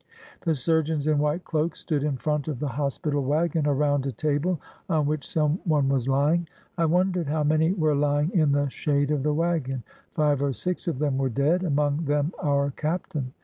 The surgeons in white cloaks stood in front of the hos pital wagon around a table on which some one was lying. I wondered how many were lying in the shade of the wagon; five or six of them were dead, among them our captain.